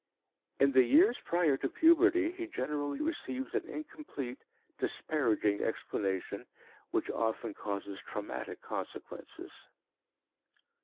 In the years prior to puberty he generally receives an incomplete, disparaging explanation which often causes traumatic consequences.